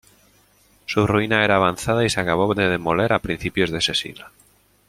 Su ruina era avanzada y se acabó de demoler a principios de ese siglo.